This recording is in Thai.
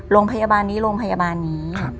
โรงพยาบาลนี้โรงพยาบาลนี้